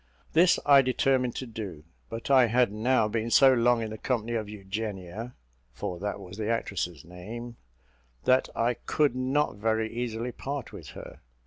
This I determined to do; but I had now been so long in the company of Eugenia (for that was the actress's name), that I could not very easily part with her.